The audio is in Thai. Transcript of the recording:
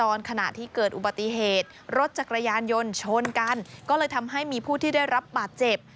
ขณะที่เกิดอุบัติเหตุรถจักรยานยนต์ชนกันก็เลยทำให้มีผู้ที่ได้รับบาดเจ็บ